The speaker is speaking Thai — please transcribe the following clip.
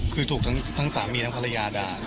คือถูกทั้งสามีทั้งภรรยาด่า